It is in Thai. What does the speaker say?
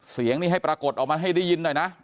เสียงนี่ให้ปรากฏออกมาให้ได้ยินหน่อยนะ